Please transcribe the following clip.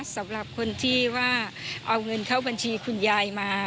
สำหรับคนที่ว่าเอาเงินเข้าบัญชีคุณยายมา